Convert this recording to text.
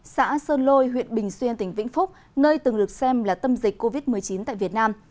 xã sơn lôi huyện bình xuyên tỉnh vĩnh phúc nơi từng được xem là tâm dịch covid một mươi chín tại việt nam